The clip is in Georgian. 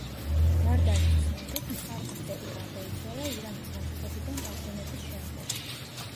ვარდანის ცნობით, მხარგრძელი გარდაიცვალა ირანის ლაშქრობიდან დაბრუნების შემდეგ.